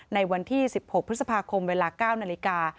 ในวันที่๑๖พฤษภาคมเวลา๙นาฬิกา